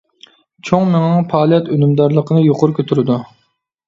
چوڭ مېڭىنىڭ پائالىيەت ئۈنۈمدارلىقىنى يۇقىرى كۆتۈرىدۇ.